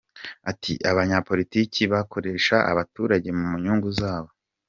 Ati”Abanyapolitiki bakoresha abaturage mu nyungu zabo.